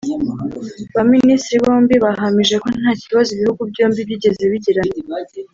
Ba Minisitiri bombi bahamije ko nta kibazo ibihugu byombi byigeze bigirana